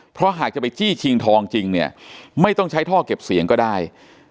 เพราะหากจะไปจี้ชิงทองจริงเนี่ยไม่ต้องใช้ท่อเก็บเสียงก็ได้